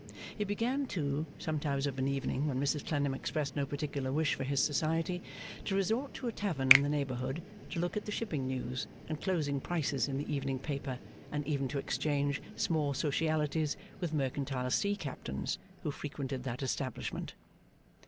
He began, too, sometimes of an evening, when Mrs Clennam expressed no particular wish for his society, to resort to a tavern in the neighbourhood to look at the shipping news and closing prices in the evening paper, and even to exchange small socialities with mercantile Sea Captains who frequented that establishment.